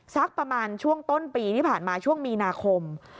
สักประมาณช่วงต้นปีที่ผ่านมาช่วงมีนาคม